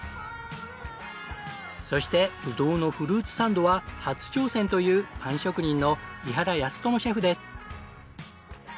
そしてぶどうのフルーツサンドは初挑戦というパン職人の伊原靖友シェフです。